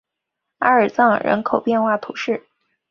阿尔藏人口变化图示